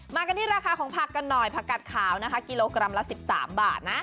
กันที่ราคาของผักกันหน่อยผักกัดขาวนะคะกิโลกรัมละ๑๓บาทนะ